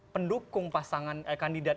pendukung pasangan kandidat